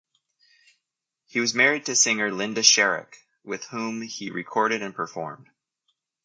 He was married to singer Linda Sharrock, with whom he recorded and performed.